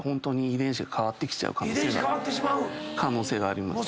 遺伝子変わってしまう⁉可能性があります。